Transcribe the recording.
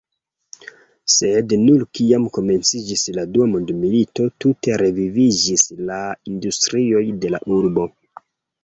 Sed nur kiam komenciĝis la dua mondmilito tute reviviĝis la industrioj de la urbo.